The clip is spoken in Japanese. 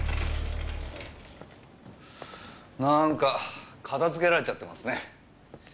なーんか片づけられちゃってますね。